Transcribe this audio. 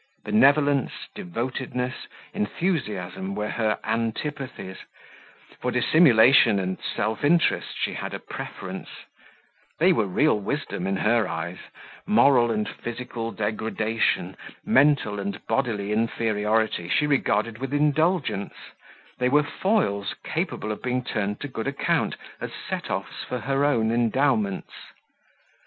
Benevolence, devotedness, enthusiasm, were her antipathies; for dissimulation and self interest she had a preference they were real wisdom in her eyes; moral and physical degradation, mental and bodily inferiority, she regarded with indulgence; they were foils capable of being turned to good account as set offs for her own endowments.